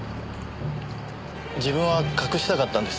自分は隠したかったんです